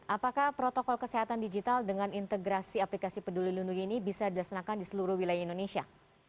apakah protokol kesehatan digital dengan integrasi aplikasi peduli lindungi ini bisa dilaksanakan di seluruh wilayah indonesia